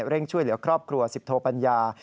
เร่งช่วยเหลือครอบครัว๑๐โทปัญญา